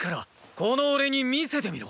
この俺に見せてみろ。